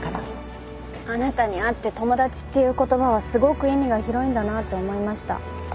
あなたに会って友達っていう言葉はすごく意味が広いんだなって思いました。